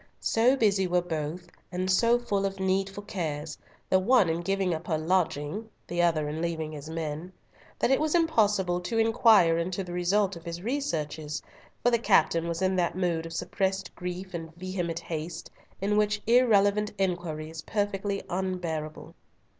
So busy were both, and so full of needful cares, the one in giving up her lodging, the other in leaving his men, that it was impossible to inquire into the result of his researches, for the captain was in that mood of suppressed grief and vehement haste in which irrelevant inquiry is perfectly unbearable.